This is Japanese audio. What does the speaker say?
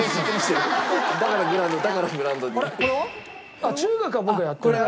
あっ中学は僕はやってない。